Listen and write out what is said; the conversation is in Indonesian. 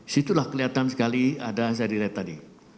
situlah kelihatan sekali ada zadi red tadi